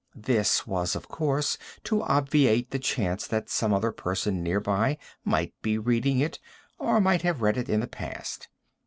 This was, of course, to obviate the chance that some other person nearby might be reading it, or might have read it in the past.